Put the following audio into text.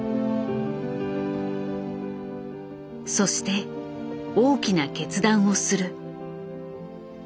そして大きな決断をする。